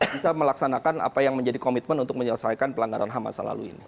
bisa melaksanakan apa yang menjadi komitmen untuk menyelesaikan pelanggaran ham masa lalu ini